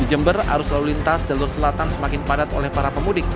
di jember arus lalu lintas jalur selatan semakin padat oleh para pemudik